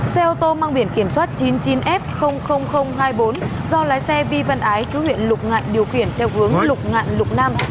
xe ô tô mang biển kiểm soát chín mươi chín f hai mươi bốn do lái xe vi văn ái chú huyện lục ngạn điều khiển theo hướng lục ngạn lục nam